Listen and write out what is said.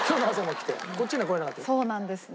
そうなんですね。